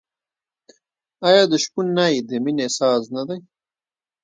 آیا د شپون نی د مینې ساز نه دی؟